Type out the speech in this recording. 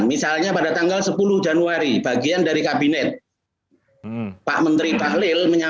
misalnya pada tanggal sepuluh januari bagian dari kabinet pak menteri pak lil menyatakan